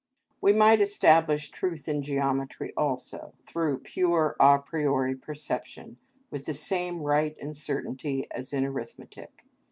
We might establish truth in geometry also, through pure a priori perception, with the same right and certainty as in arithmetic.